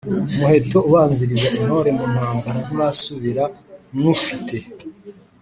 umuheto ubanziriza intore mu ntambara nturasubira nywufite,